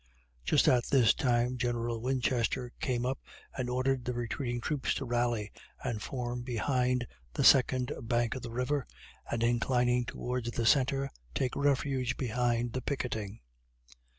Just at this time General Winchester came up and ordered the retreating troops to rally and form behind the second bank of the river, and inclining toward the centre, take refuge behind the picketing.